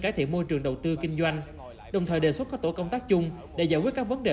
cải thiện môi trường đầu tư kinh doanh đồng thời đề xuất các tổ công tác chung để giải quyết các vấn đề